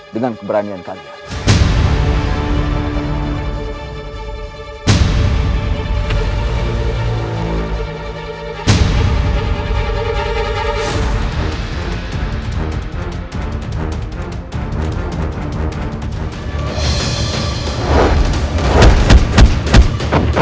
dengan keberanian kalian